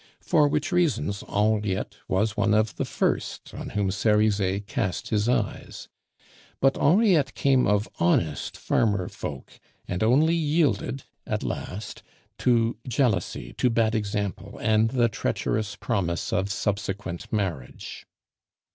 For which reasons Henriette was one of the first on whom Cerizet cast his eyes; but Henriette came of "honest farmer folk," and only yielded at last to jealousy, to bad example, and the treacherous promise of subsequent marriage.